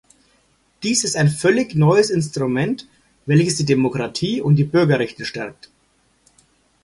Dies ist ein völlig neues Instrument, welches die Demokratie und die Bürgerrechte stärkt.